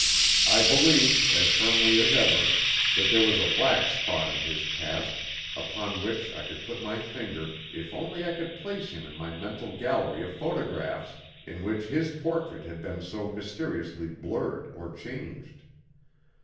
I believed, as firmly as ever, that there was a black spot in his past, upon which I could put my finger if only I could place him in my mental gallery of photographs, in which his portrait had been so mysteriously blurred or changed.